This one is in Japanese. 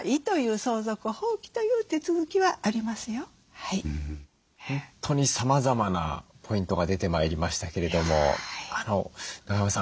本当にさまざまなポイントが出てまいりましたけれども中山さん